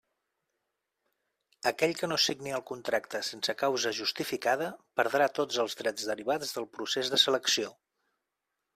Aquell que no signi el contracte sense causa justificada, perdrà tots els drets derivats del procés de selecció.